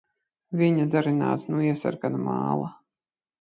Viņa darināta no iesarkana māla.